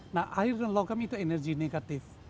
nah air dan logam itu energi negatif